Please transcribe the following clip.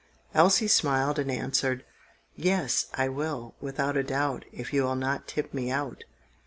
Elsie smiled and answered,— "Yes, I will, without a doubt, If you will not tip me out."